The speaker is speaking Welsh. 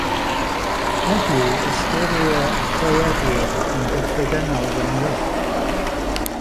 Heddiw ystyrir y creadur yn gyffredinol fel myth.